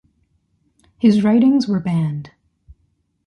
His writings were banned.